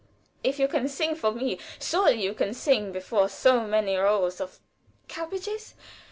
If you can sing before me, surely you can sing before so many rows of " "Cabbages?